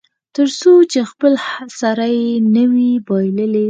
تر څو چې خپل سر یې نه وي بایللی.